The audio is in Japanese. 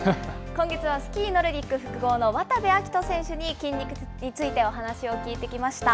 今月はスキーノルディック複合の渡部暁斗選手に筋肉についてお話を聞いてきました。